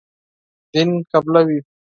دین قبولوي.